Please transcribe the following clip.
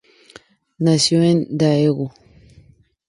Nació en Daegu.